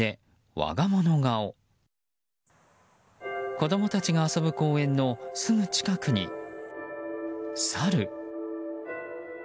子供たちが遊ぶ公園のすぐ近くにサル。